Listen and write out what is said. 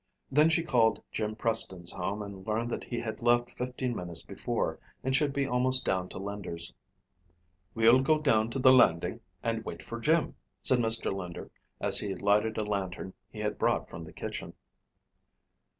Then she called Jim Preston's home and learned that he had left fifteen minutes before and should be almost down to Linder's. "We'll go down to the landing and wait for Jim," said Mr. Linder as he lighted a lantern he had brought from the kitchen.